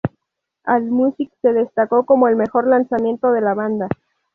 Allmusic lo destacó como el mejor lanzamiento de la banda.